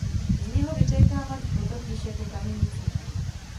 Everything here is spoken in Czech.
Z něho vytéká malý potok již jako Kamenice.